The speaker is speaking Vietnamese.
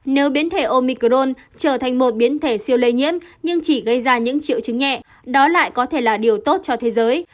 nếu biến thể omicron trở thành một biến thể siêu lây nhiễm nhưng chỉ gây ra những triệu chứng nhẹ đó lại có thể là điều tốt cho thế giới